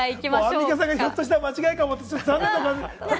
アンミカさんがひょっとしたら間違いかもみたいな感じで。